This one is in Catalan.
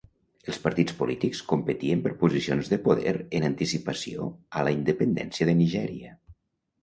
Els partits polítics competien per posicions de poder en anticipació a la independència de Nigèria.